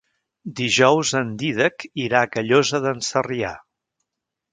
Dijous en Dídac irà a Callosa d'en Sarrià.